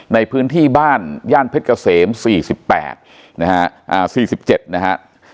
ในพื้นที่บ้านย่านเพชรเกษม๔๘นะฮะ๔๗นะฮะ